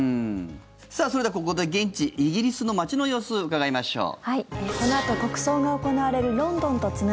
さあ、それではここで現地イギリスの街の様子伺いましょう。